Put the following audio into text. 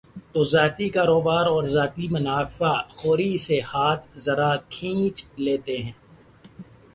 تو ذاتی کاروبار اور ذاتی منافع خوری سے ہاتھ ذرا کھینچ لیتے۔